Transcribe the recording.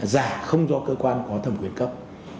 giả không do cơ quan có thẩm quyền cấp